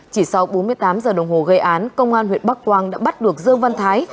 chỉ sau bốn mươi tám giờ đồng hồ gây án công an huyện bắc quang đã bắt được dương văn thái